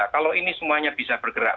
kalau ini semuanya bisa bergerak